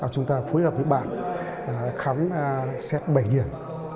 chúng ta phối hợp với bạn khám xe bảy điển